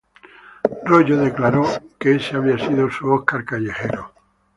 Royo declaró que ese había sido su Oscar callejero.